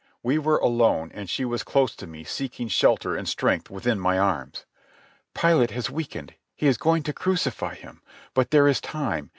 We were alone, and she was close to me, seeking shelter and strength within my arms. "Pilate has weakened. He is going to crucify Him. But there is time.